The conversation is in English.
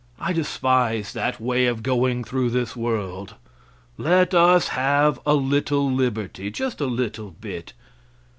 I despise that way of going through this world. Let us have a little liberty just a little bit.